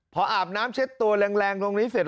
พออาบน้ำเช็ดตัวแรงตรงนี้เสร็จ